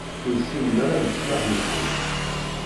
Ur ssinen ara leṣlaḥ-nsen.